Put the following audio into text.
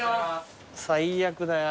最悪だよ